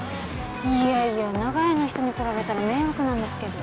いやいや長屋の人に来られたら迷惑なんですけど。